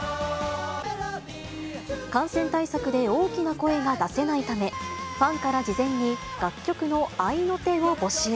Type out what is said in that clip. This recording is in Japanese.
感染対策で大きな声が出せないため、ファンから事前に楽曲の合いの手を募集。